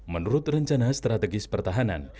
menurut rencana strategis pertahanan